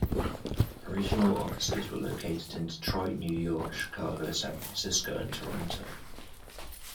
Original offices were located in Detroit, New York, Chicago, San Francisco, and Toronto.